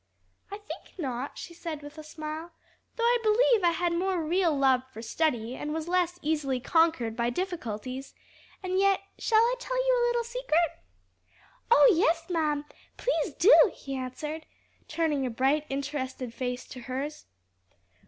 "I think not," she said with a smile, "though I believe I had more real love for study and was less easily conquered by difficulties; and yet shall I tell you a little secret?" "Oh yes, ma'am, please do!" he answered, turning a bright, interested face to hers.